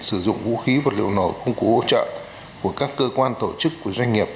sử dụng vũ khí vật liệu nổ công cụ hỗ trợ của các cơ quan tổ chức của doanh nghiệp